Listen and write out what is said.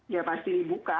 ya pasti dibuka